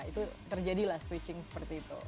itu terjadilah switching seperti itu